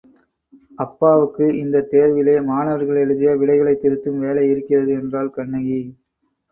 அப்பாவுக்கு இந்தத் தேர்விலே மாணவர்கள் எழுதிய விடைகளைத் திருத்தும் வேலை இருக்கிறது என்றாள் கண்ணகி.